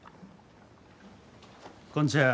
こんちは。